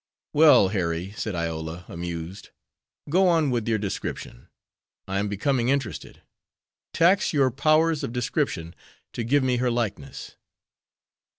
"Well, Harry," said Iola, amused, "go on with your description; I am becoming interested. Tax your powers of description to give me her likeness."